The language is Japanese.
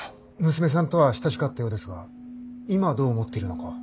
娘さんとは親しかったようですが今どう思っているのかは。